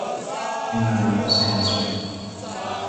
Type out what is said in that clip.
فإن مع العسر يسرا